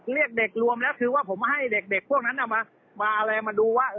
เรียกเด็กรวมแล้วคือว่าผมให้เด็กพวกนั้นมาอะไรมาดูว่า